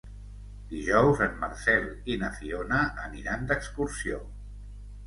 Dijous en Marcel i na Fiona aniran d'excursió.